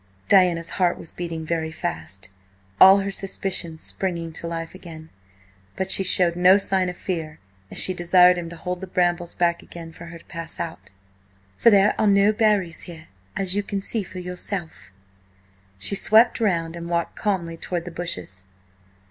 Diana's heart was beating very fast, all her suspicions springing to life again, but she showed no sign of fear as she desired him to hold the brambles back again for her to pass out. "For there are no berries here, as you can see for yourself." She swept round and walked calmly towards the bushes.